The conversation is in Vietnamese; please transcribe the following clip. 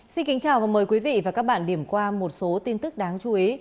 xin kính chào và mời quý vị và các bạn điểm qua một số tin tức đáng chú ý